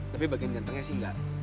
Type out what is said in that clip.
tapi bagian gantengnya sih enggak